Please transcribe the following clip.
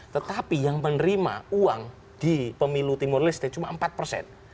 tetapi yang menerima uang di pemilu timur leste cuma empat persen